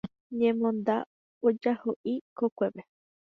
Ñemonda ojahoʼi kokue.